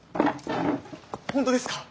本当ですか！？